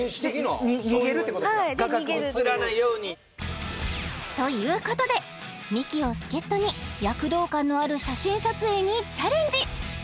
はいで逃げるっていう写らないようにということでミキを助っ人に躍動感のある写真撮影にチャレンジ！